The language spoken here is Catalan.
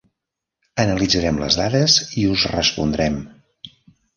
Analitzarem les dades i us respondrem.